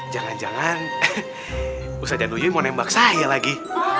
jangan jangan ustazanuyuy mau nembak saya lagi